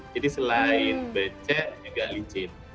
jadi selain becek agak licin